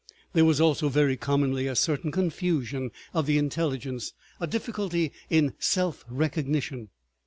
There was also very commonly a certain confusion of the intelligence, a difficulty in self recognition.